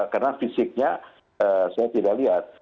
karena fisiknya saya tidak lihat